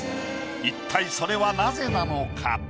一体それはなぜなのか？